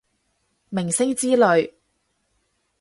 明星之類